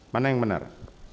mana yang benar